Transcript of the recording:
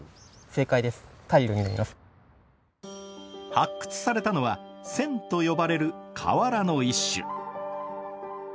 発掘されたのはと呼ばれる瓦の一種。